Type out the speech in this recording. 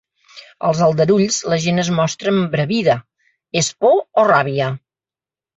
Als aldarulls, la gent es mostra embravida: és por o ràbia?